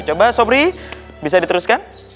coba sobri bisa diteruskan